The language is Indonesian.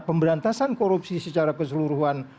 pemberantasan korupsi secara keseluruhan